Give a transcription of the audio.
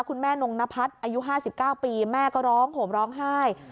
คุณแม่นงนพัฒน์อายุ๕๙ปีแม่ก็ร้องห่มร้องไห้